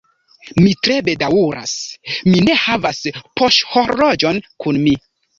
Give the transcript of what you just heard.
Mi tre bedaŭras, mi ne havas poŝhorloĝon kun mi.